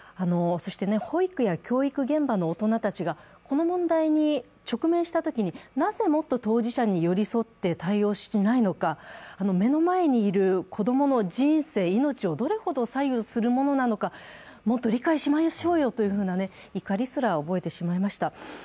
そして保育や教育現場の大人たちがこの問題に直面したときになぜもっと当事者に寄り添って対応していないのか、目の前にいる子供の人生、命をどれほど左右するものなのか、取り返しましょうよという怒りさえ覚えてしまいました。